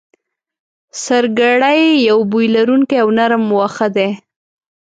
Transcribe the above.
سرګړی یو بوی لرونکی او نرم واخه دی